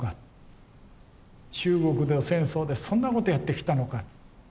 中国での戦争でそんなことやってきたのか。